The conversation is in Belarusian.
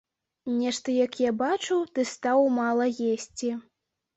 Нешта, як я бачу, ты стаў мала есці.